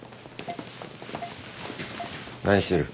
何してる？